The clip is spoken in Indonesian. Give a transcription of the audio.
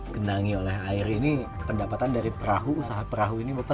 gendangi oleh air ini pendapatan dari perahu usaha perahu ini bapak